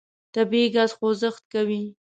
طبیعي ګاز خوځښت کوي.